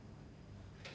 tentang apa yang terjadi